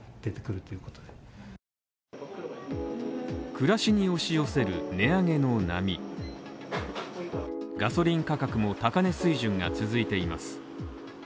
暮らしに押し寄せる、値上げの波ガソリン価格も高値水準が続いています。